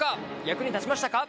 役に立ちましたか？